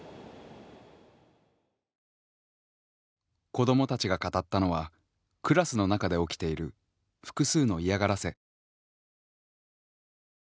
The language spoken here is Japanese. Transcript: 子どもたちが語ったのはクラスの中で起きている複数の嫌がらせ。